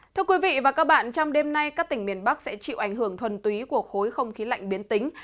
thưa quý vị và các bạn trong đêm nay các tỉnh miền bắc sẽ chịu ảnh hưởng thuần túy của khối không khí lạnh biến tính